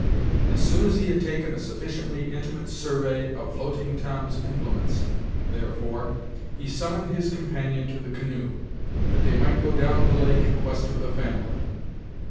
As soon as he had taken a sufficiently intimate survey of floating Tom's implements, therefore, he summoned his companion to the canoe, that they might go down the lake in quest of the family.